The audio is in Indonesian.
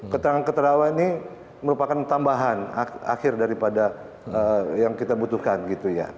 keterangan keterangan ini merupakan tambahan akhir daripada yang kita butuhkan gitu ya